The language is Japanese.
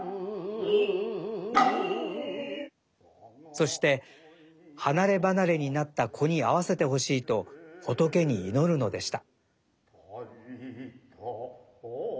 そして離れ離れになった子に会わせてほしいと仏に祈るのでした。